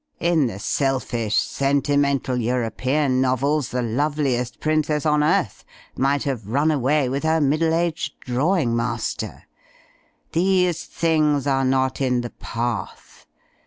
In the selfish, sentimental European novels, the love liest princess on earth might have run away with her middle aged drawing master. These things are not in the Path.